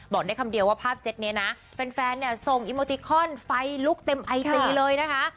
บอกได้คำเดียวว่าภาพเซ็ตนี้นะแฟนเนี่ยส่งอิโมติคอนไฟลุกเต็มไอจีเลยนะคะ